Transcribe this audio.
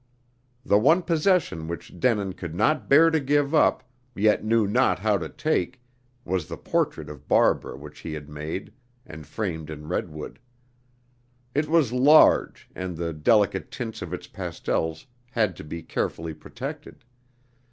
The one possession which Denin could not bear to give up, yet knew not how to take, was the portrait of Barbara which he had made, and framed in redwood. It was large, and the delicate tints of its pastels had to be carefully protected.